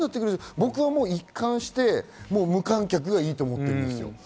僕は一貫して無観客がいいと思ってるんですよ。